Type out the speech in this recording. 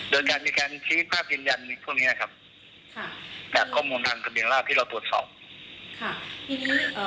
โดยจะมีชีวิตภาพเย็นยันพวกเนี้ยครับจากข้อมูลทางทะเบียงราชที่เราตรวจสอบ